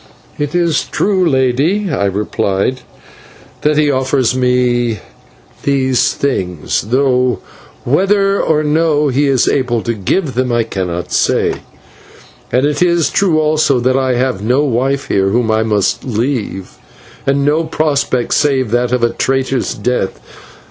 "It is true, Lady," I replied, "that he offers me these things though whether or no he is able to give them I cannot say; and it is true also that I have no wife here whom I must leave, and no prospect save that of a traitor's death.